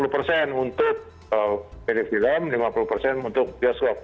lima puluh persen untuk pd film lima puluh persen untuk bioskop